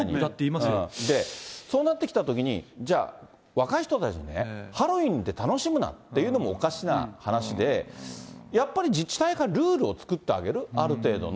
そうなってきたときに、じゃあ、若い人たちにね、ハロウィーンで楽しむなっていうのもおかしな話で、やっぱり自治体がルールを作ってあげる、ある程度の。